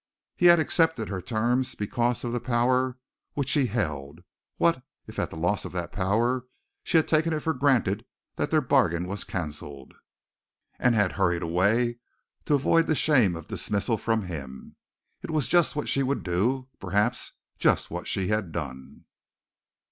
He had accepted her terms because of the power which she held what if, at the loss of that power, she had taken it for granted that their bargain was cancelled, and had hurried away to avoid the shame of dismissal from him! It was just what she would do perhaps just what she had done!